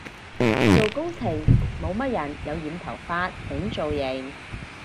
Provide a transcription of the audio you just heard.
做工程冇乜人有染頭髮整造型